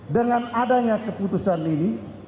dengan adanya keputusan ini